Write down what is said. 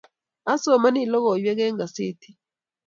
Asomani logoiwek eng gazeti